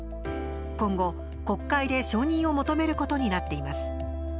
今後、国会で承認を求めることになっています。